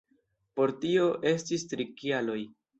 Por tio estis tri kialoj.